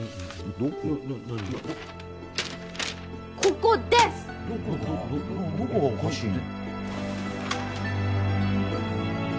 どこがおかしいの？